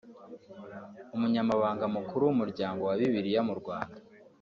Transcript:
Umunyamabanga Mukuru w’Umuryango wa Bibiliya mu Rwanda